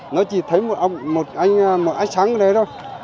nó chỉ thấy một ánh sáng đấy thôi